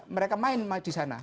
mereka main disana